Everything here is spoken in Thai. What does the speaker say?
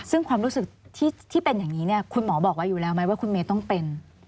ซึ่งความรู้สึกที่เป็นอย่างนี้เนี่ยคุณหมอบอกไว้อยู่แล้วไหมว่าคุณเมย์ต้องเป็น